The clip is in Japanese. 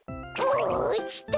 おおちた！